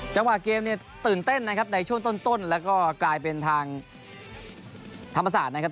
จังหวะเกมเนี่ยตื่นเต้นนะครับในช่วงต้นแล้วก็กลายเป็นทางธรรมศาสตร์นะครับ